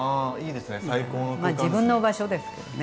ま自分の場所ですけどね。